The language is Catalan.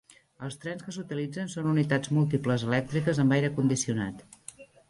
Els trens que s'utilitzen són unitats múltiples elèctriques amb aire condicionat.